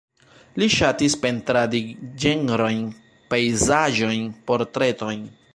Li ŝatis pentradi ĝenrojn, pejzaĝojn, portretojn.